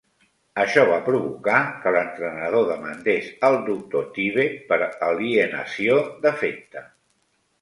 Això va provocar que l'entrenador demandés al doctor Tibbett per alienació d'afecte.